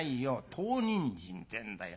唐人参ってんだよ。